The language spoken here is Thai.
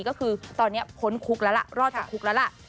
ก็คือตอนนี้พ้นคุกแล้วล่ะรอดจากคุกแล้วล่ะ